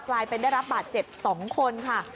กลายเป็นได้รับบาดเจ็บ๒คนค่ะ